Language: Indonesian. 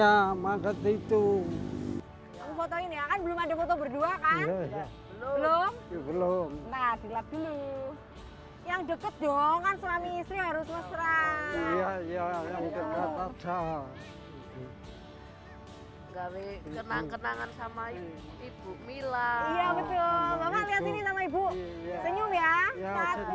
ya makasih itu yang foto ini akan belum ada foto berdua kan belum belum nah silap dulu yang deket